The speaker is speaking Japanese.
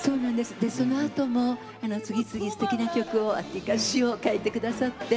でそのあとも次々すてきな曲をというか詞を書いて下さって。